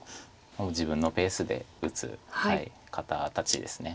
もう自分のペースで打つ方たちです。